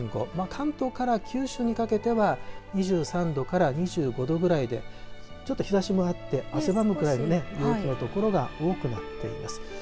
関東から九州にかけては２３度から２５度ぐらいでちょっと日ざしもあって汗ばむぐらいで陽気のところが多くなっています。